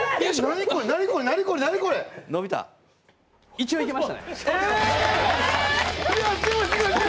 一応いけました。